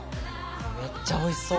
めっちゃおいしそう！